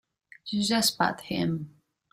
You just pat him.